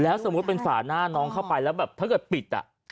สมมุติเป็นฝาหน้าน้องเข้าไปแล้วแบบถ้าเกิดปิด